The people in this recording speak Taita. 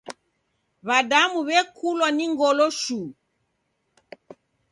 W'adamu w'ekulwa no ngolo shuu!